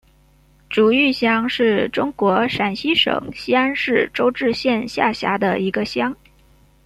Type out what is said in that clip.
竹峪乡是中国陕西省西安市周至县下辖的一个乡。